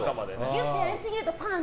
ギュッてやりすぎるとパーン！